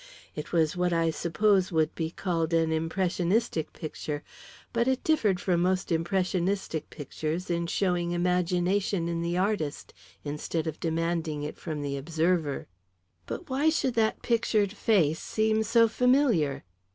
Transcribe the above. It was what I suppose would be called an impressionistic picture, but it differed from most impressionistic pictures in showing imagination in the artist instead of demanding it from the observer. But why should that pictured face seem so familiar?